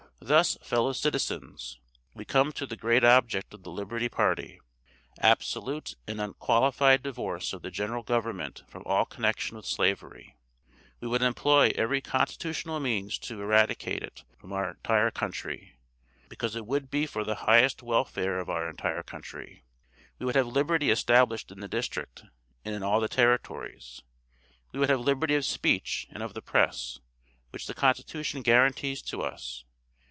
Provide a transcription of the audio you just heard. "Thus, fellow citizens, we come to the great object of the Liberty Party: ABSOLUTE AND UNQUALIFIED DIVORCE OF THE GENERAL GOVERNMENT FROM ALL CONNECTION WITH SLAVERY. We would employ every constitutional means to eradicate it from our entire country, because it would be for the highest welfare of our entire country. We would have liberty established in the District, and in all the Territories. We would have liberty of speech and of the press, which the Constitution guarantees to us.